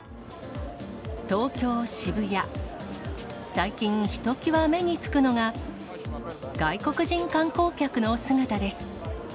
最近、ひときわ目につくのが、外国人観光客の姿です。